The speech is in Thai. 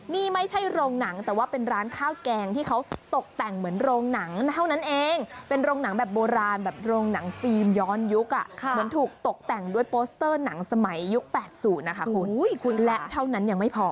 นี่ไม่ใช่โรงหนังแต่ว่าเป็นร้านข้าวแกง